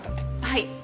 はい。